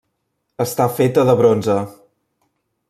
Està feta de bronze.